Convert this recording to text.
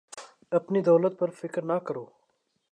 اپنی دولت پر فکر نہ کرو